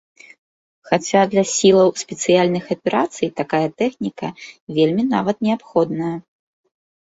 Хаця для сілаў спецыяльных аперацый такая тэхніка вельмі нават неабходная.